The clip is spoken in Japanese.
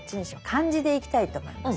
漢字でいきたいと思います。